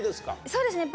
そうですね。